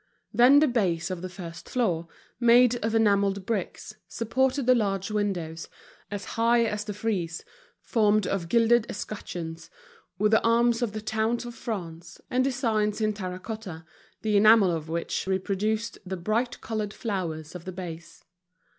Then the base of the first floor, made of enamelled bricks, supported the large windows, as high as the frieze, formed of gilded escutcheons, with the arms of the towns of France, and designs in terra cotta, the enamel of which reproduced the bright colored flowers of the base.